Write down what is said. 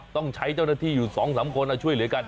ต้องใช้เจ้าหน้าที่อยู่๒๓คนช่วยเหลือกัน